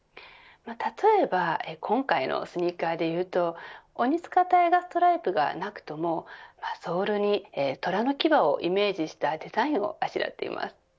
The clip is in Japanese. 例えば今回のスニーカーで言うとオニツカタイガーストライプがなくともソールに虎の牙をイメージしたデザインのあしらっています。